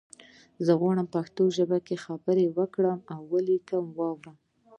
زه غواړم په پښتو ژبه خبری وکړم او ولیکم او وارم